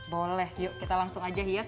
boleh yuk kita langsung aja ya